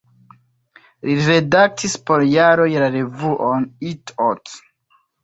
Li redaktis por jaroj la revuon "Itt-Ott".